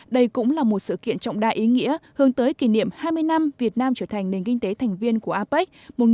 đây cũng là một sự kiện trọng đa ý nghĩa hướng tới kỷ niệm hai mươi năm việt nam trở thành nền kinh tế thành viên của apec một nghìn chín trăm chín mươi tám hai nghìn một mươi tám